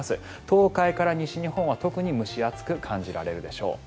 東海から西日本は特に蒸し暑く感じられるでしょう。